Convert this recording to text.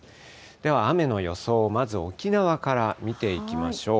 では雨の予想をまず沖縄から見ていきましょう。